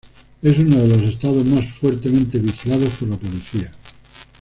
Es uno de los Estados más fuertemente vigilados por la policía.